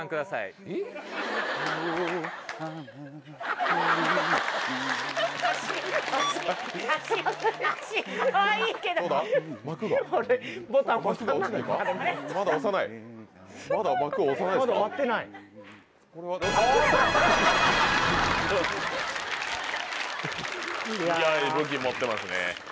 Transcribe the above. ええ武器持ってますね。